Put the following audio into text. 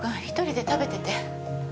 一人で食べてて。